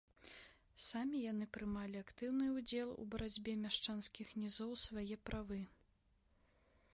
Самі яны прымалі актыўны ўдзел у барацьбе мяшчанскіх нізоў свае правы.